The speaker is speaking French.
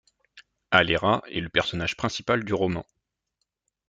Alera est le personnage principal du roman.